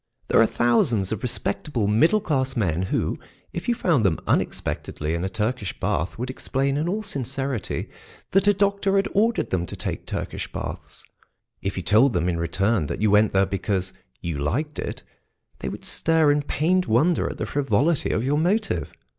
There are thousands of respectable middle class men who, if you found them unexpectedly in a Turkish bath, would explain in all sincerity that a doctor had ordered them to take Turkish baths; if you told them in return that you went there because you liked it, they would stare in pained wonder at the frivolity of your motive.